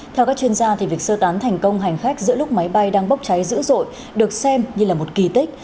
theo các chuyên gia việc sơ tán thành công hành khách giữa lúc máy bay đang bốc cháy dữ dội được xem như là một kỳ tích